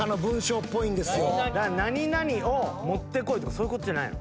「何々を持って来い」とかそういうことじゃないの？